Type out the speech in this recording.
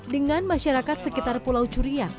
dengan masyarakat sekitar pulau curian